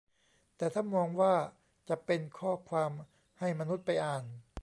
แต่ถ้ามองว่าจะเป็นข้อความให้มนุษย์ไปอ่าน